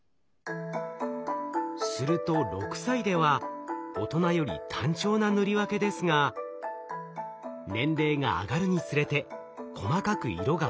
すると６歳では大人より単調な塗り分けですが年齢が上がるにつれて細かく色が分かれます。